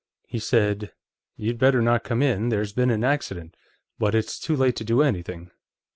He said: 'You'd better not come in. There's been an accident, but it's too late to do anything.